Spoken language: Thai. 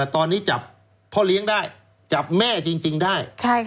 ตอนนี้จับพ่อเลี้ยงได้จับแม่จริงได้